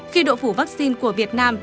khi độ phủ vaccine của việt nam